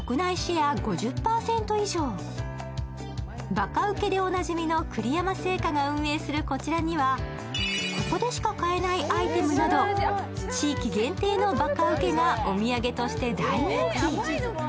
ばかうけでおなじみの栗山製菓が運営するこちらには、ここでし買えないアイテムなど地域限定のばかうけがお土産として大人気。